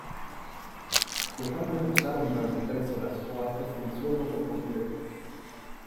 Dejar reposar durante tres horas o hasta se disuelva por completo.